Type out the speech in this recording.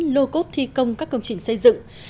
lô cốt thi công các công trình xây dựng